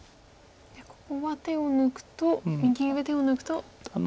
ここは手を抜くと右上手を抜くとホウリコミが。